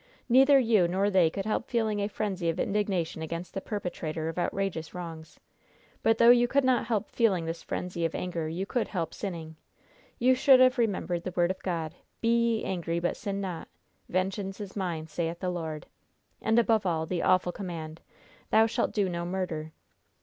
Neither you nor they could help feeling a frenzy of indignation against the perpetrator of outrageous wrongs. But, though you could not help feeling this frenzy of anger, you could help sinning. You should have remembered the Word of God, 'Be ye angry, but sin not.' 'Vengeance is mine, saith the Lord,' and, above all, the awful command, 'Thou shalt do no murder.'